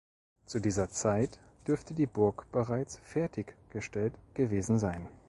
Zu dieser Zeit dürfte die Burg bereits fertiggestellt gewesen sein.